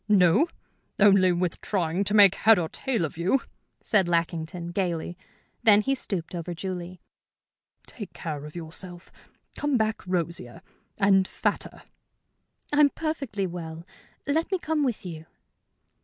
"No, only with trying to make head or tail of you," said Lackington, gayly. Then he stooped over Julie. "Take care of yourself. Come back rosier and fatter." "I'm perfectly well. Let me come with you."